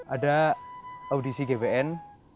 ada audisi gbn